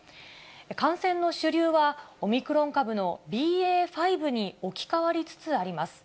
感染の主流は、オミクロン株のＢＡ．５に置き換わりつつあります。